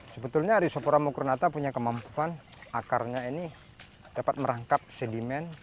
sebetulnya risopora mokurnata punya kemampuan akarnya ini dapat merangkap sedimen